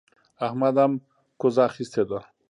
احمد هم کوزه اخيستې ده.